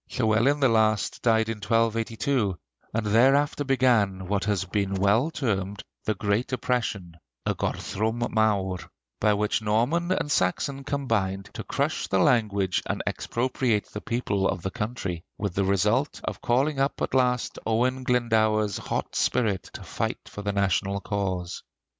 Llywelyn the Last died in 1282, and thereafter began what has been well termed "The Great Oppression" (y Gorthrwm Mawr), by which Norman and Saxon combined to crush the language and expropriate the people of the country, with the result of calling up at last Owen Glendower's hot spirit to fight for the national cause.